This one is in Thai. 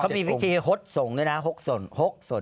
เขามีพิธีฮดส่งด้วยนะ๖ส่วน๖ส่วน